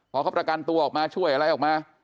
พอเขาประกันตัวออกมาช่วยอะไรออกมา